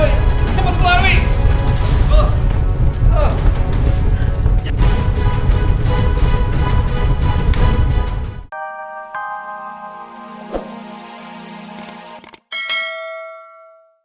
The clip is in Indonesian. ayo wih cepet keluar wih